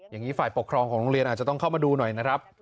อย่างนี้ฝ่ายปกครองของโรงเรียนอาจจะต้องเข้ามาดูหน่อยนะครับ